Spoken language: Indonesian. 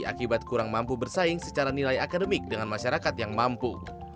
akibat kurang mampu bersaing secara nilai akademik dengan masyarakat yang mampu